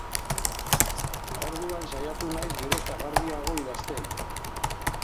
Orduan saiatu naiz geroz eta garbiago idazten.